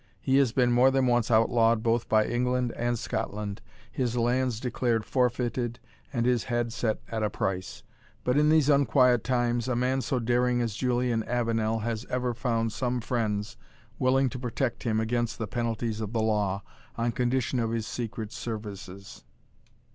He has been more than once outlawed both by England and Scotland, his lands declared forfeited, and his head set at a price. But in these unquiet times, a man so daring as Julian Avenel has ever found some friends willing to protect him against the penalties of the law, on condition of his secret services."